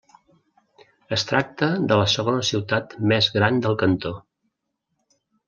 Es tracta de la segona ciutat més gran del cantó.